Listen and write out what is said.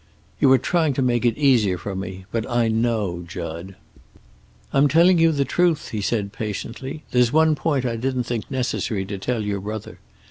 "You are trying to make it easier for me. But I know, Jud." "I'm telling you the truth," he said, patiently. "There's one point I didn't think necessary to tell your brother.